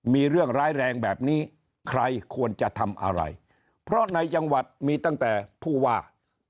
มีเรื่องร้ายแรงแบบนี้ใครควรจะทำอะไรเพราะในจังหวัดมีตั้งแต่ผู้ว่า